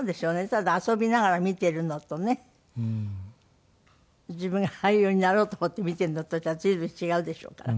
ただ遊びながら見てるのとね自分が俳優になろうと思って見てるのとじゃ随分違うでしょうから。